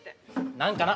何かな。